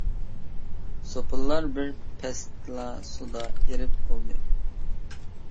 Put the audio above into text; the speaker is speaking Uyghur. سوپۇنلار بىر پەستىلا سۇدا ئېرىپ بولدى.